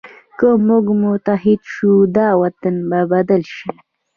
که موږ متحد شو، دا وطن به بدل شي.